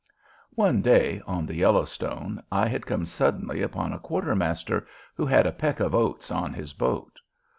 One day on the Yellowstone I had come suddenly upon a quartermaster who had a peck of oats on his boat.